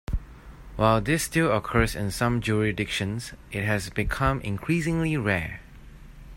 While this still occurs in some jurisdictions, it has become increasingly rare.